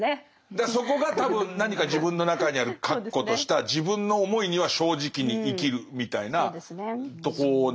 だからそこが多分何か自分の中にある確固とした自分の思いには正直に生きるみたいなとこなんでしょうね。